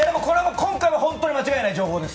今回は本当に間違いない情報です。